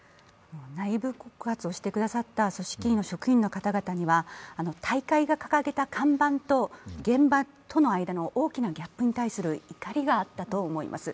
内部告発をしてくださった組織委の職員の方々には大会が掲げた看板と、現場との間の大きなギャップに対する怒りがあったと思います。